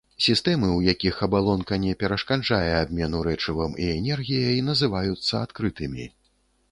Сістэмы, у якіх абалонка не перашкаджае абмену рэчывам і энергіяй, называюцца адкрытымі.